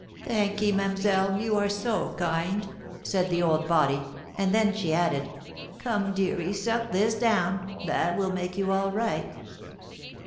"Thankee, ma'amselle, you are so kind!" said the old body; and then she added, "Come, deary, suck this down, that will make you all right."